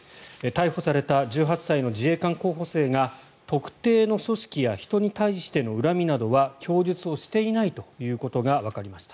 逮捕された１８歳の自衛官候補生が特定の組織や人に対しての恨みなどは供述をしていないということがわかりました。